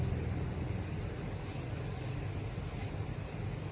ติดลูกคลุม